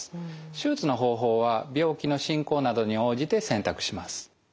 手術の方法は病気の進行などに応じて選択します。